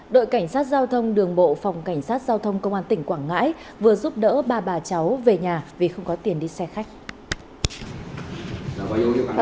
đội cảnh sát giao thông đường bộ phòng cảnh sát giao thông công an tỉnh quảng ngãi vừa giúp đỡ ba bà cháu về nhà vì không có tiền đi xe khách